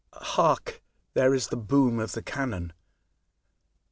Hark ! there is the boom of the cannon